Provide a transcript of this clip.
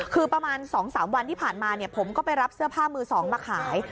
คือประมาณ๒๓วันที่ผ่านมาผมก็ไปรับเสื้อผ้ามือ๒มาขาย